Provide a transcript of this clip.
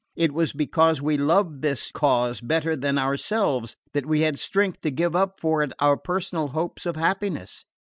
It was because we loved this cause better than ourselves that we had strength to give up for it our personal hopes of happiness.